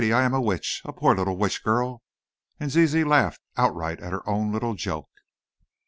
I am a witch, a poor little witch girl!" and Zizi laughed outright at her own little joke.